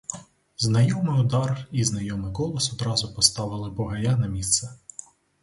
Знайомий удар і знайомий голос одразу поставили бугая на місце.